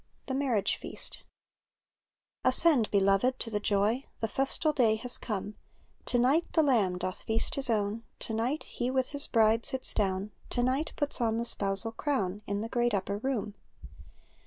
25:9 •''Rev. 19 : 6 9; 17:14 ASCEND, beloved, to the joy ;•^ The festal day has come; To night the Lamb doth feast His oivii. To night He iviih His bride sits dozen. To night puts on the spousal crown. In the great upper room.